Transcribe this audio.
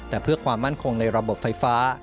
แต่เพื่อความมั่นคงในระบบไฟฟ้า